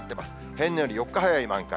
平年より４日早い満開。